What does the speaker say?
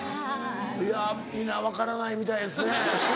・いや・皆分からないみたいですね